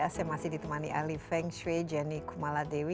saya masih ditemani ali feng shui jenny kumala dewi